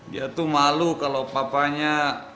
dia tuh malu kalau papanya